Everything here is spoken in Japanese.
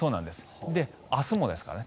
明日もですからね。